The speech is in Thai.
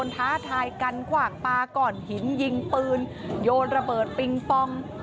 ท้าทายกันขวางปลาก้อนหินยิงปืนโยนระเบิดปิงปอง